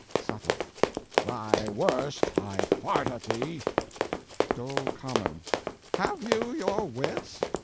SUBTLE: Thy worst. I fart at thee. DOL COMMON: Have you your wits?